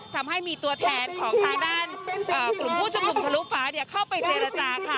ทำให้มีตัวแทนของทางด้านกลุ่มผู้ชุมนุมทะลุฟ้าเข้าไปเจรจาค่ะ